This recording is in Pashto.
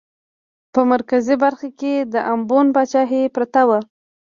په مرکزي برخه کې د امبون پاچاهي پرته وه.